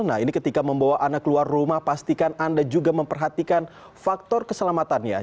nah ini ketika membawa anak keluar rumah pastikan anda juga memperhatikan faktor keselamatannya